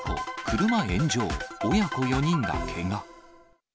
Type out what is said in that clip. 車炎上、親子４人がけが。